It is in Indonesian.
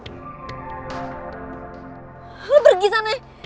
lo pergi sana ya